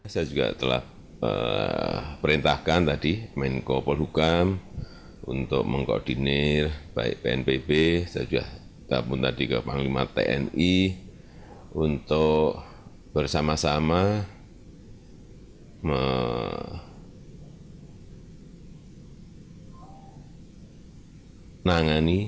saya juga telah perintahkan tadi menko polhukam untuk mengkoordinir baik pnpb saya juga telah pun tadi ke panglima tni untuk bersama sama menangani